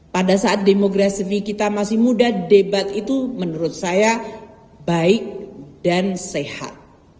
pada saat demografi kita masih muda debat itu menurut saya baik dan sehat